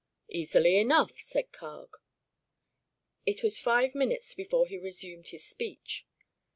"Easily enough," said Carg. It was five minutes before he resumed his speech.